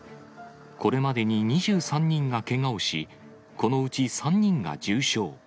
これまでに２３人がけがをし、このうち３人が重傷。